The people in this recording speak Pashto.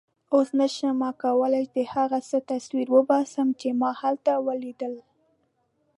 اوس نه شم کولای د هغه څه تصویر وباسم چې ما هلته ولیدل.